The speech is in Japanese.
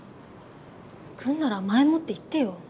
来んなら前もって言ってよ。